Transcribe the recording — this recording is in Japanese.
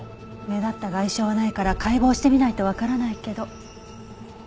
目立った外傷はないから解剖してみないとわからないけど。